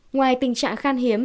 ngoài tình trạng khăn hiếm